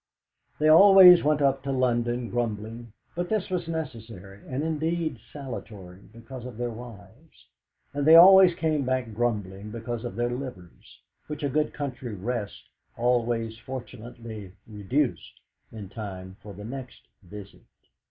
They always went up to London grumbling, but this was necessary, and indeed salutary, because of their wives; and they always came back grumbling, because of their livers, which a good country rest always fortunately reduced in time for the next visit.